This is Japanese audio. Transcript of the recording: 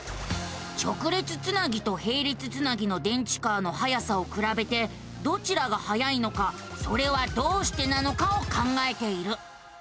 直列つなぎとへい列つなぎの電池カーのはやさをくらべてどちらがはやいのかそれはどうしてなのかを考えている。